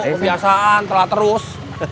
kebiasaan telah terus